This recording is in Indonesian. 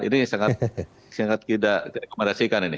ini sangat tidak diakomodasikan